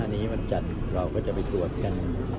๑๕นี้มันจัดเราก็จะไปตรวจกัน